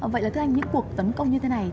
vậy là thưa anh những cuộc tấn công như thế này